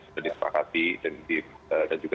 berdispakati dan juga